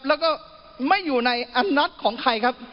แล้วก็ไม่อยู่ในอัตของใครครับ